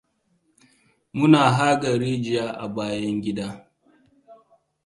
Muna haƙa rijiya a bayan gida.